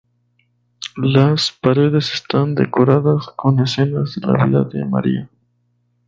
Las paredes está decoradas con escenas de la vida de María.